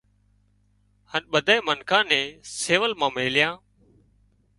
هانَ ٻۮانئين منکان نين سول مان ميليان